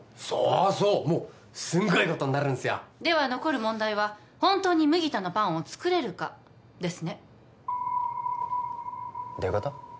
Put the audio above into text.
そうそうもうすんごいことになるんすよでは残る問題は本当に麦田のパンを作れるかですねどういうこと？